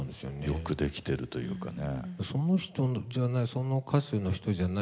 よくできてるというかね。